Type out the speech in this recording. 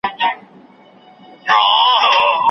که شعر د کلماتو له ښکلا